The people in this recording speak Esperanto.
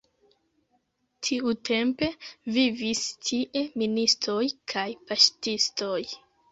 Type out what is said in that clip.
Tiutempe vivis tie ministoj kaj paŝtistoj.